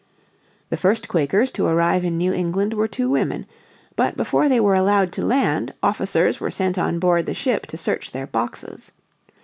The first Quakers to arrive in New England were two women. But before they were allowed to land officers were sent on board the ship to search their boxes.